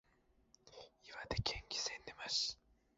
岩手県気仙沼市